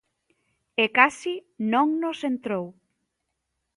E case non nos entrou.